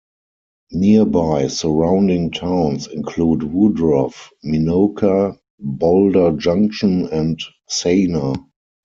Nearby surrounding towns include Woodruff, Minocqua, Boulder Junction, and Sayner.